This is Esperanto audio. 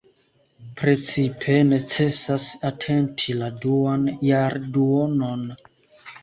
Precipe necesas atenti la duan jarduonon.